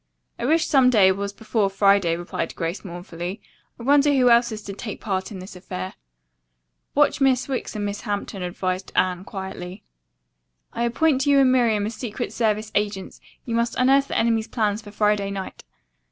"I wish 'some day' was before Friday," replied Grace mournfully. "I wonder who else is to take part in this affair?" "Watch Miss Wicks and Miss Hampton," advised Anne quietly. "That's sound advice," agreed Grace. "I appoint you and Miriam as secret service agents. You must unearth the enemy's plans for Friday night."